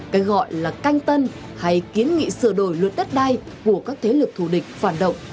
cái gọi là canh tân hay kiến nghị sửa đổi luật đất đai của các thế lực thù địch phản động